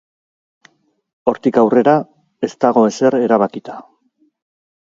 Hortik aurrera, ez dago ezer erabakita.